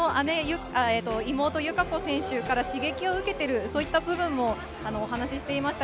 妹・友香子選手から刺激を受けている、そういった部分もお話していました。